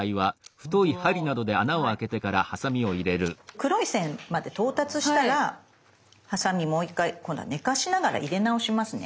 黒い線まで到達したらハサミもう１回今度は寝かしながら入れ直しますね。